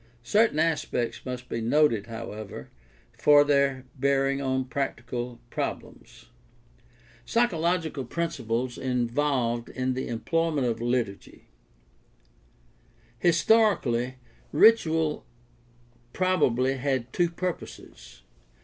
Certain aspects must be noted, however, for their bearing on practical problems. Psychological principles involved in the employment of liturgy. — Historically, ritual probably had two purposes.